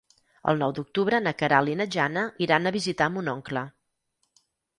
El nou d'octubre na Queralt i na Jana iran a visitar mon oncle.